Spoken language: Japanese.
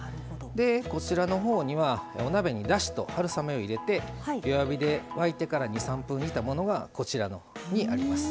でこちらのほうにはお鍋にだしと春雨を入れて弱火で沸いてから２３分煮たものがこちらのほうにあります。